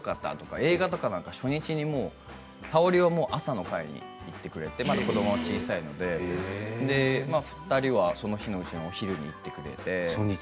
映画とか初日にＳａｏｒｉは朝の回に行ってくれて、まだ子どもが小さいので２人はその日のうちのお昼に言ってくれて。